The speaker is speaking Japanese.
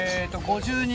５２。